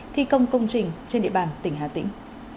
thi công công trình trên địa bàn tỉnh hà tĩnh